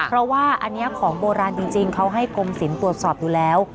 เพราะว่าอันนี้ของโบราณจริงเขาให้กรมศิลป์ตรวจสอบดูแล้ว